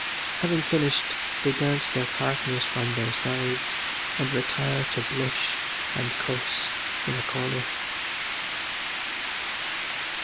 Having finished they dash their partners from their sides and retire to blush and curse in a corner.